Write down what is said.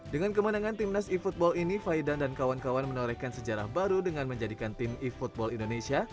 dengan kemenangan timnas seafootball ini faidan dan kawan kawan menorehkan sejarah baru dengan menjadikan tim e football indonesia